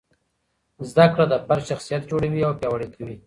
زده کړه د فرد شخصیت جوړوي او پیاوړی کوي.